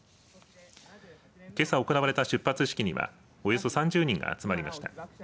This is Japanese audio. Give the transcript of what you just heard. けさ行われた出発式にはおよそ３０人が集まりました。